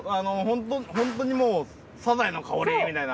ホントにもうサザエの香りみたいな。